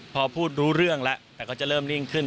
พอพูดรู้เรื่องแล้วแต่ก็จะเริ่มนิ่งขึ้น